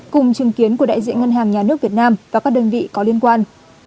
cùng chứng kiến của đại diện ngân hàng nhà nước việt nam và các đơn vị có liên quan